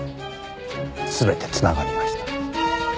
全て繋がりました。